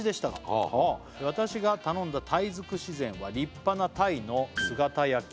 はあはあ「私が頼んだ」「鯛づくし膳は立派な鯛の姿焼きに」